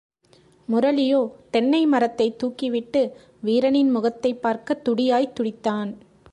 முரளியோ தென்னை மரத்தைத் தூக்கிவிட்டு, வீரனின் முகத்தைப் பார்க்கத் துடியாய்த் துடித்தான்.